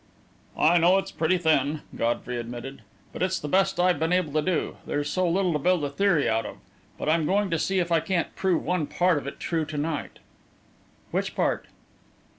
"I know it's pretty thin," Godfrey admitted, "but it's the best I've been able to do there's so little to build a theory out of. But I'm going to see if I can't prove one part of it true to night." "Which part?"